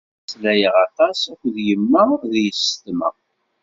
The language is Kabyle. Ad mmeslayeɣ aṭas akked yemma d yessetma.